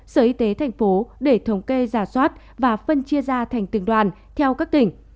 sở y tế thành phố để thống kê giả soát và phân chia ra thành từng đoàn theo các tỉnh